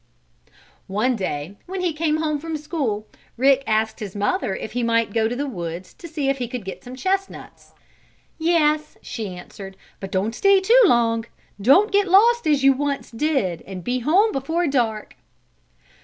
One day, when he came home from school, Rick asked his mother if he might go to the woods and see if he could get some chestnuts. "Yes," she answered, "but don't stay too long. Don't get lost as you once did, and be home before dark."